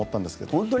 本当に？